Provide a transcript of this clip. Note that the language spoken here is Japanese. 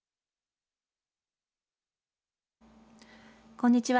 こんにちは。